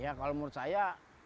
ya kalau menurut saya